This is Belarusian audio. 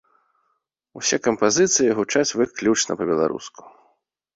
Усе кампазіцыі гучаць выключна па-беларуску.